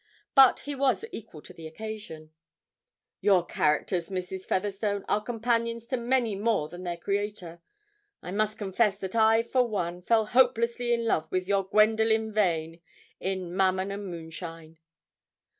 But he was equal to the occasion. 'Your characters, Mrs. Featherstone, are companions to many more than their creator. I must confess that I, for one, fell hopelessly in love with your Gwendoline Vane, in "Mammon and Moonshine."'